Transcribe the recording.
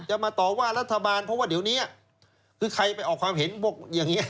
มาต่อว่ารัฐบาลเพราะว่าเดี๋ยวนี้คือใครไปออกความเห็นพวกอย่างนี้